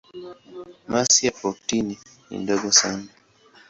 Masi ya protoni ni ndogo sana.